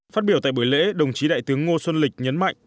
phát biểu tại buổi lễ đồng chí đại tướng ngô xuân lịch nhấn mạnh